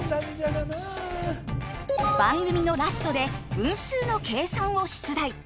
番組のラストで分数の計算を出題。